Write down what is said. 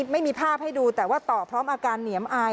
ไม่มีภาพให้ดูแต่ว่าต่อพร้อมอาการเหนียมอาย